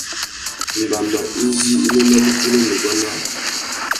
Mbama izí i nônamú tunu nuguá naā.